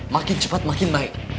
makin cepat makin baik